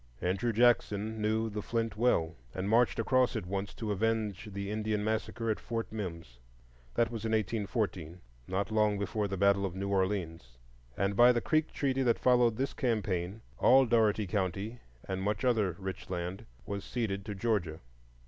Andrew Jackson knew the Flint well, and marched across it once to avenge the Indian Massacre at Fort Mims. That was in 1814, not long before the battle of New Orleans; and by the Creek treaty that followed this campaign, all Dougherty County, and much other rich land, was ceded to Georgia.